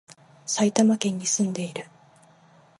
埼玉県に、住んでいる